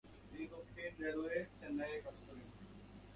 তিনি দক্ষিণ রেলওয়ে চেন্নাইয়ে কাজ করেন।